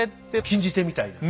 禁じ手みたいな。